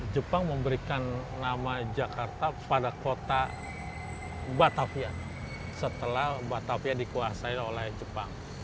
jepang memberikan nama jakarta pada kota batavia setelah batavia dikuasai oleh jepang